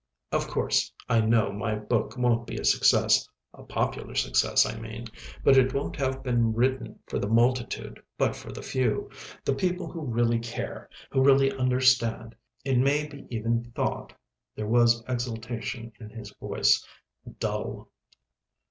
Of course, I know my book won't be a success a popular success, I mean but it won't have been written for the multitude but for the few the people who really care, who really understand. It may be even thought," there was exultation in his voice, "dull."